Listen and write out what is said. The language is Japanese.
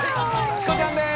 チコちゃんです